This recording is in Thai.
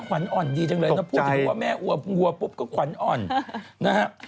ขวันอ่อนดีจังเลยคุณคุณควันอ่อนแล้วนะพูดถึงว่าแม่วัวปุ๊บก็ขวันอ่อนนะครับ